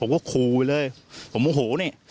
ผมก็คูเลยผมโอ้โหนี่